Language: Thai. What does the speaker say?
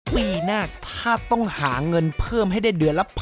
ปีหน้าถ้าต้องหาเงินเพิ่มให้ได้เดือนละ๑๐๐